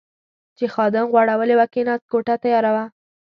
چې خادم غوړولې وه، کېناست، کوټه تیاره وه.